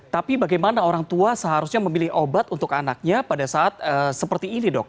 tapi bagaimana orang tua seharusnya memilih obat untuk anaknya pada saat seperti ini dok